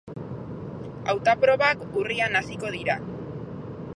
Hautaprobak urrian hasiko dira.